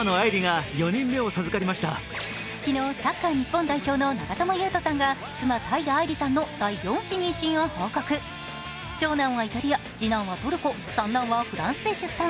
昨日、サッカー日本代表の長友佑都さんが妻・平愛梨さんの第四子妊娠を報告長男はイタリア、次男はトルコ、三男はフランスで出産。